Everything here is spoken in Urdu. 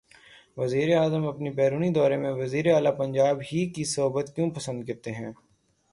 وزیراعظم اپنے بیرونی دورے میں وزیر اعلی پنجاب ہی کی صحبت کیوں پسند کرتے ہیں؟